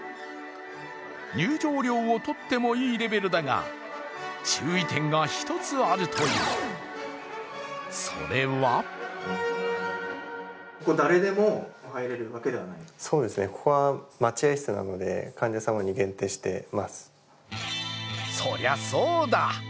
入場料をとってもいいレベルだが、注意点が一つあるというそれはそりゃそうだ！